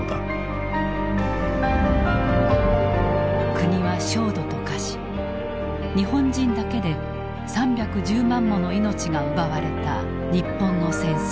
国は焦土と化し日本人だけで３１０万もの命が奪われた日本の戦争。